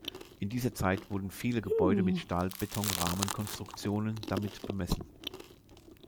In dieser Zeit wurden viele Gebäude mit Stahlbeton-Rahmenkonstruktionen damit bemessen.